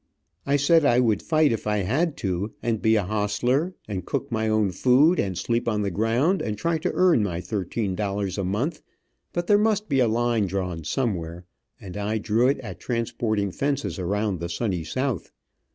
I said I would fight if I had to, and be a hostler, and cook my own food, and sleep on the ground, and try to earn my thirteen dollars a month, but there must be a line drawn somewhere, and I drew it at transporting fences around the sunny South.